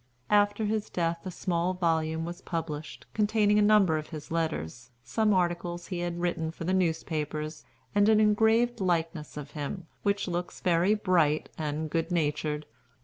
After his death, a small volume was published, containing a number of his letters, some articles he had written for newspapers, and an engraved likeness of him, which looks very bright and good natured.